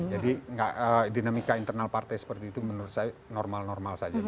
jadi dinamika internal partai seperti itu menurut saya normal normal saja